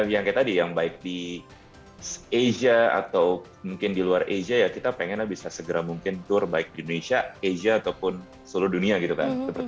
yang kayak tadi yang baik di asia atau mungkin di luar asia ya kita pengennya bisa segera mungkin tour baik di indonesia asia ataupun seluruh dunia gitu kan